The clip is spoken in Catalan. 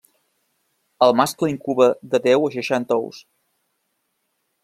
El mascle incuba de deu a seixanta ous.